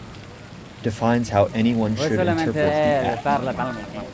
Defines how anyone should interpret the Act.